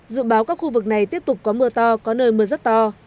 dự báo các khu vực này tiếp tục có mưa to có nơi mưa rất to